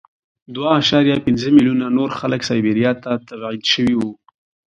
دوه اعشاریه پنځه میلیونه نور خلک سایبریا ته تبعید شوي وو